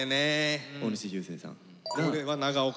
大西流星さん。